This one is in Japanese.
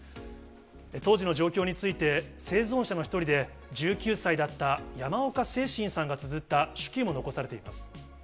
当時の状況について、生存者の一人で、１９歳だった山岡清眞さんがつづった手記も残されています。